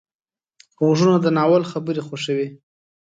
غوږونه د ناول خبرې خوښوي